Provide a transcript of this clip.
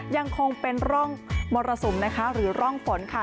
ยังคงเป็นร่องมรสุมนะคะหรือร่องฝนค่ะ